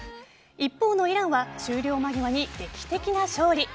一方のイランは終了間際に劇的な勝利。